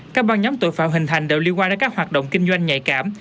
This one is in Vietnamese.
các băng nhóm tội phạm hình thành đều liên quan đến các hoạt động kinh doanh nhạy cảm